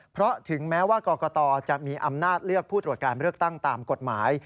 เพราะถึงแม้ว่ากรกตจะมีอำนาจเลือกผู้ตรวจการเลือกตั้งตามกฎหมาย